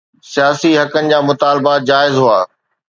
سياسي حقن جا مطالبا جائز هئا